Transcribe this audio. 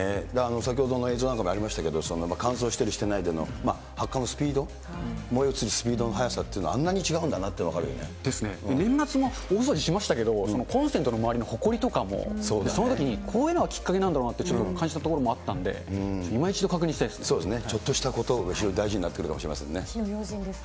先ほどの映像なんかにもありましたけれども、乾燥している、していないでの、発火のスピード、燃え移るスピードの速さっていうのは、あんなに違うんだなというですね、年末も大掃除しましたけれども、コンセントの周りのほこりとかも、そのときにこういうのがきっかけなんだろうなって感じたところもあったんで、ちょっとしたこと、非常に大事になってくるかもしれないですね。